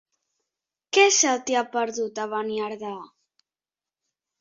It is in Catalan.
Què se t'hi ha perdut, a Beniardà?